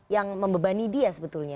yang membebani dia sebetulnya